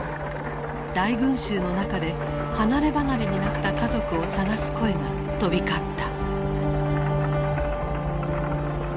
大群衆の中で離れ離れになった家族を捜す声が飛び交った。